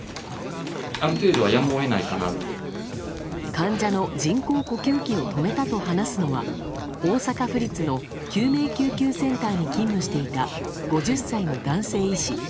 患者の人工呼吸器を止めたと話すのは大阪府立の救命救急センターに勤務していた５０歳の男性医師。